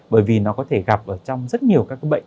bởi vì nó có thể gặp trong rất nhiều các bệnh